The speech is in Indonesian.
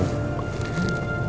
perempuan yang tadi di warung